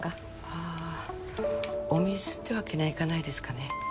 ああお水ってわけにはいかないですかね